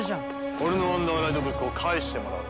俺のワンダーライドブックを返してもらおう。